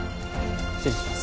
失礼します。